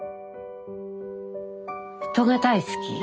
人が大好き。